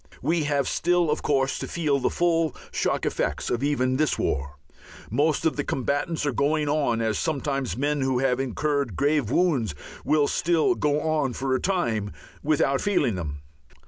We have still, of course, to feel the full shock effects even of this war. Most of the combatants are going on, as sometimes men who have incurred grave wounds will still go on for a time without feeling them.